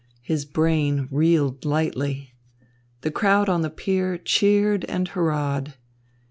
His brain reeled lightly. The crowd on the pier cheered and hurrahed.